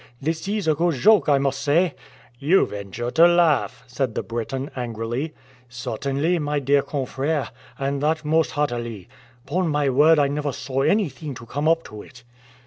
this is a good joke, I must say." "You venture to laugh!" said the Briton angrily. "Certainly, my dear confrère, and that most heartily. 'Pon my word I never saw anything to come up to it."